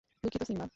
দুঃখিত, সিম্বা।